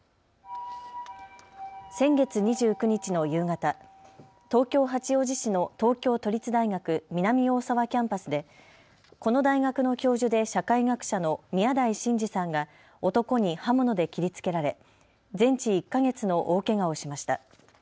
先月２９日の夕方、東京八王子市の東京都立大学南大沢キャンパスでこの大学の教授で社会学者の宮台真司さんが男に刃物で切りつけられ全治１か月の大けがをしました。